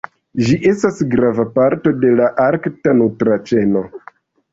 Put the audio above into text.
Ĝi estas grava parto de la arkta nutra ĉeno.